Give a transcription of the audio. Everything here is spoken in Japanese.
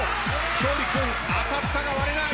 勝利君当たったが割れない。